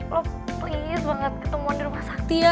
lo please banget ketemu di rumah sakti ya